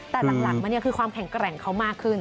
แต่หลังมันคือความแข็งแกร่งเขามากขึ้น